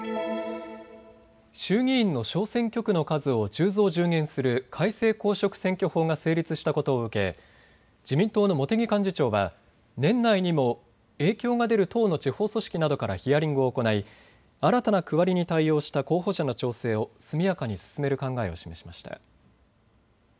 衆議院の小選挙区の数を１０増１０減する改正公職選挙法が成立したことを受け自民党の茂木幹事長は年内にも影響が出る党の地方組織などからヒアリングを行い新たな区割りに対応した候補者の調整を速やかに進める考えを示しました。